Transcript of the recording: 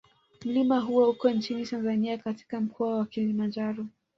Mlima huo uko nchini Tanzania katika Mkoa wa Kilimanjaro